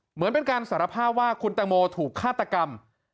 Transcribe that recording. เหมือนเป็นการสารภาพว่าคุณตังโมถูกฆาตกรรม